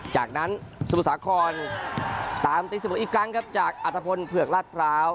จากนั้นสมุทรสาครตามตีเสมออีกครั้งครับจากอัตภพลเผือกลาดพร้าว